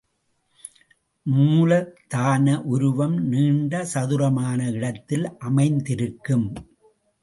மூலத்தான உருவம் நீண்ட சதுரமான இடத்தில் அமைத்திருக்கும்.